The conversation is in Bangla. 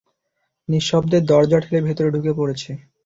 নিঃশব্দে দরজা ঠেলে ভেতরে ঢুকে পড়েছে।